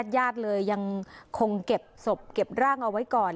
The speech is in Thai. ญาติเลยยังคงเก็บศพเก็บร่างเอาไว้ก่อน